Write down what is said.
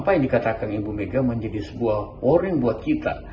apa yang dikatakan ibu mega menjadi sebuah waring buat kita